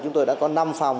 chúng tôi đã có năm phòng